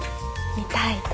見たいと。